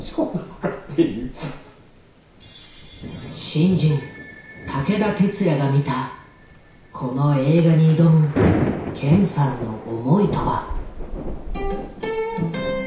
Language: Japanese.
新人武田鉄矢が見たこの映画に挑む健さんの思いとは。